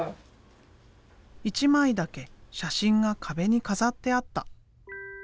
一枚だけ写真が壁に飾ってあった。